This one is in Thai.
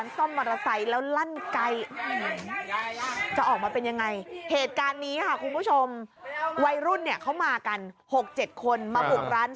ทำไมไม่ช่วยเขาล่ะ